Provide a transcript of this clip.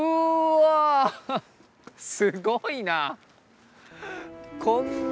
すごいな！